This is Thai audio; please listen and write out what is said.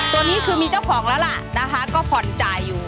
ตัวนี้คือมีเจ้าของแล้วล่ะนะคะก็ผ่อนจ่ายอยู่